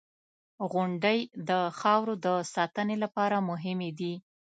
• غونډۍ د خاورو د ساتنې لپاره مهمې دي.